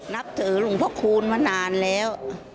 นับถือหลวงพระคูณมานานแล้ว